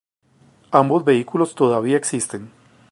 Ambos vehículos todavía existen.